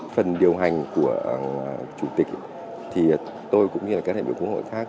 phần điều hành của chủ tịch thì tôi cũng như là các đại biểu quốc hội khác